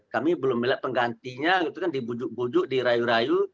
kami belum melihat penggantinya gitu kan dibujuk bujuk dirayu rayu